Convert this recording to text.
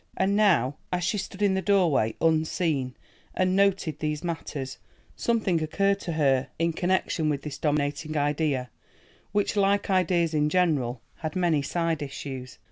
And now, as she stood in the doorway unseen and noted these matters, something occurred to her in connection with this dominating idea, which, like ideas in general, had many side issues.